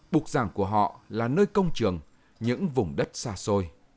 bục giảng của họ là nơi công trường những vùng đất xa xôi